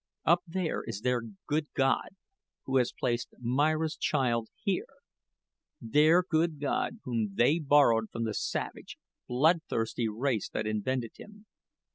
Up there is their good God who has placed Myra's child here their good God whom they borrowed from the savage, bloodthirsty race that invented him.